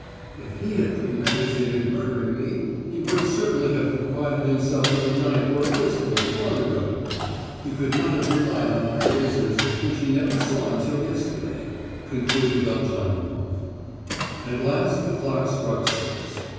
"If he had premeditated murdering me, he would certainly have provided himself with a knife or a pistol long ago; he could not have relied on my razors, which he never saw until yesterday," concluded Velchaninoff. At last the clock struck six.